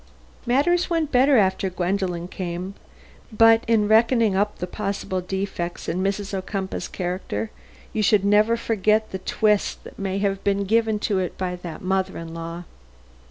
Matters went better after Gwendolen came, but in reckoning up the possible defects in Mrs. Ocumpaugh's character you should never forget the twist that may have been given to it by that mother in law."